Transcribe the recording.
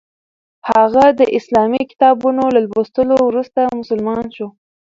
هغه د اسلامي کتابونو له لوستلو وروسته مسلمان شو.